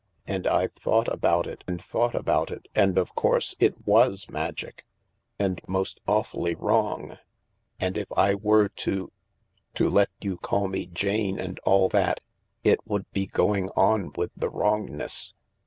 And I've thought about it, and thought about it, and of course it was magic — and most awfully wrong. And if I were to— • to let you call me Jane and all that, it would be going on with the wrongness."